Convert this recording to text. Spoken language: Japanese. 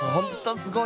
すごい。